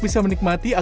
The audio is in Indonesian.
satu dua tiga